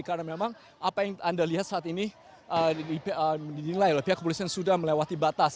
karena memang apa yang anda lihat saat ini didilai pihak kepolisian sudah melewati batas